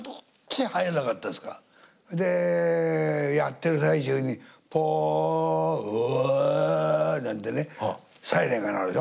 でやってる最中に「ポッ！ウッ！」なんてねサイレンが鳴るでしょ。